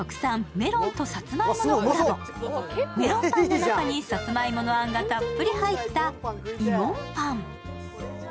メロンパンの中にさつまいものあんがたっぷり入ったイモンパン。